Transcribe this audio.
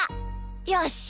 よし。